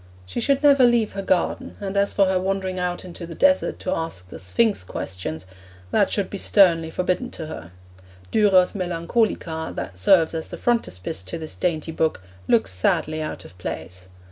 She should never leave her garden, and as for her wandering out into the desert to ask the Sphinx questions, that should be sternly forbidden to her. Durer's Melancolia, that serves as the frontispiece to this dainty book, looks sadly out of place.